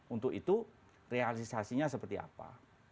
untuk itu realisasinya seperti apa